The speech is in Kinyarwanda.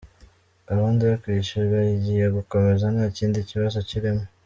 Gahunda yo kwishyura igiye gukomeza nta kindi kibazo kirimo”.